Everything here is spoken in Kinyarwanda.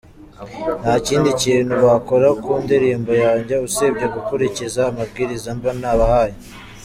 Nta kindi kintu bakora ku ndirimbo yanjye usibye gukurikiza amabwiriza mba nabahaye.